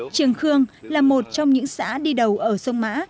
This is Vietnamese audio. trường khương là một trong những xã đi đầu ở sông mã